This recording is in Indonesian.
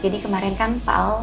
jadi kemarin kan pak